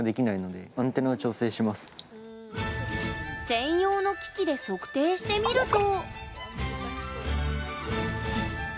専用の機器で測定してみると。